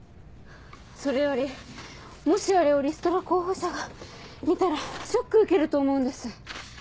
それよりもしあれをリストラ候補者が見たらショック受けると思うんです。